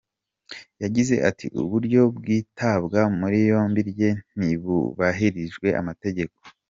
Yagize ati: "Uburyo bw'itabwa muri yombi rye ntibwubahirije amategeko.